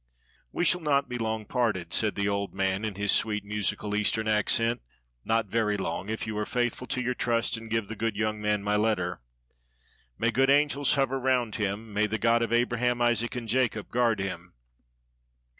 "We shall not be long parted," said the old man, in his sweet musical Eastern accent, "not very long, if you are faithful to your trust and give the good young man my letter. May good angels hover round him, may the God of Abraham, Isaac and Jacob guard him!"